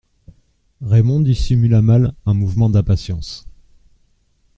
Raymond dissimula mal un mouvement d'impatience.